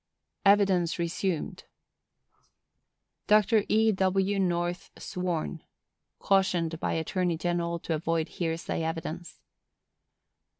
Evidence resumed. Dr. E. W. North sworn.—(Cautioned by attorney general to avoid hearsay evidence.)